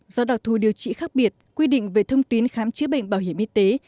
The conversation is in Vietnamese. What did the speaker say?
do đặc thù điều trị khác biệt quy định về thông tuyến khám chữa bệnh bảo hiểm y tế